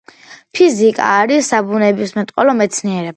ფიზიკა არის საბუნებისმეტყველო მეცნიერება.